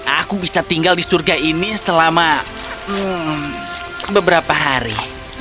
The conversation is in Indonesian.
aku bisa tinggal di surga ini selama beberapa hari